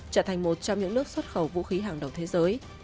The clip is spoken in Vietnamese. trở thành một trong những nước xuất khẩu vũ khí hàng đầu thế giới